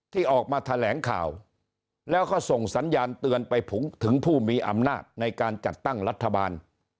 ที่ออกมาแถลงข่าวแล้วก็ส่งสัญญาณเตือนไปถึงผู้มีอำนาจในการจัดตั้งรัฐบาล